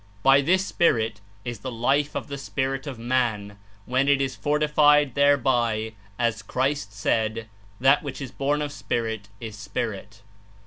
"By this Spirit is the Life of the spirit of man when it is fortified thereby, as Christ said. That which is born of Spirit Is spirit'."